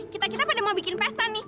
kita kita pada mau bikin pesta nih